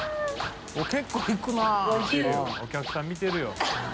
淵灰鼻お客さん見てるよ。